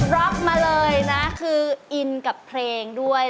ล็อกมาเลยนะคืออินกับเพลงด้วย